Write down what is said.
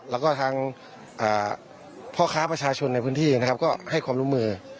แล้วก็ทางพ่อค้าประชาชนในพื้นที่นะครับก็ให้ความร่วมมือ